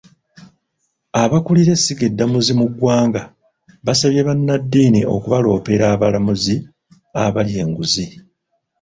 Abakulira essiga eddamuzi mu ggwanga, basabye bannaddiini okubaloopera abalamuzi abalya enguzi.